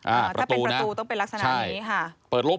อันนี้ประตูนะถ้าเป็นประตูต้องเป็นลักษณะนี้